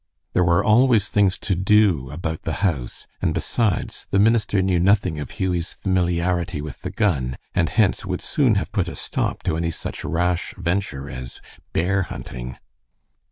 There were always things to do about the house, and besides, the minister knew nothing of Hughie's familiarity with the gun, and hence would soon have put a stop to any such rash venture as bear hunting.